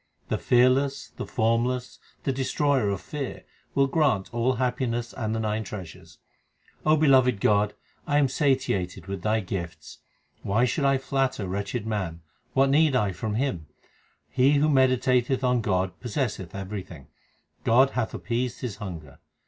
The Fearless, the Formless, the Destroyer of fear will grant all happiness and the nine treasures. O beloved God, I am satiated with Thy gifts. Why should I flatter wretched man ? what need I from him ? HYMNS OF GURU ARJAN 351 He who meditateth on God possesseth everything ; God hath appeased his hunger.